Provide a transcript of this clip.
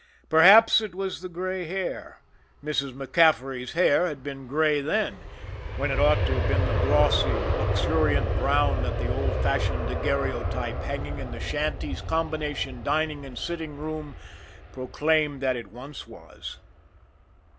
Perhaps it was the gray hair Mrs. MacCaffery's hair had been gray then, when it ought to have been the glossy, luxuriant brown that the old fashioned daguerreotype, hanging in the shanty's combination dining and silting room, proclaimed that it once was.